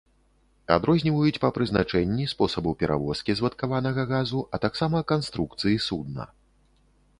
Адрозніваюць па прызначэнні, спосабу перавозкі звадкаванага газу, а таксама канструкцыі судна.